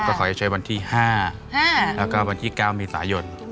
ก็ขอให้ใช้วันที่๕แล้วก็วันที่๙เมษายน